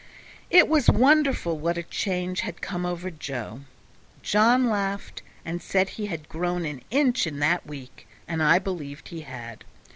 It was wonderful what a change had come over Joe. John laughed, and said he had grown an inch taller in that week, and I believe he had.